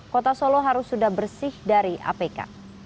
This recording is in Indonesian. kota solo harus sudah bersih dari apk